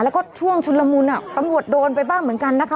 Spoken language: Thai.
แล้วก็ช่วงชุนละมุนตำรวจโดนไปบ้างเหมือนกันนะคะ